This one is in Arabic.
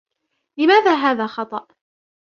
لماذا هذا خطأ؟